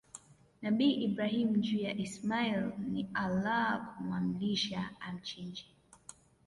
nabii Ibrahim juu ya Ismail ni Allah kumuamrisha amchinje